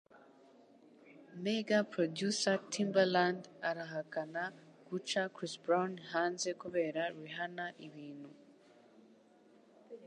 Mega-producer Timbaland arahakana guca Chris Brown hanze kubera Rihanna-ibintu.